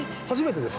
初めて。